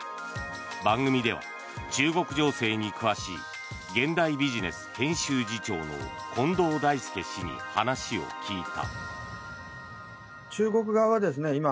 番組では、中国情勢に詳しい「現代ビジネス」編集次長の近藤大介氏に話を聞いた。